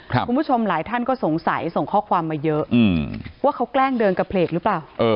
คุณผู้ชมหลายท่านก็สงสัยส่งข้อความมาเยอะว่าเขาแกล้งเดินกระเพลกหรือเปล่า